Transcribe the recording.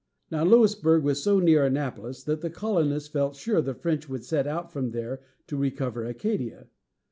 Now, Louisburg was so near Annapolis that the colonists felt sure the French would set out from there to recover Acadia.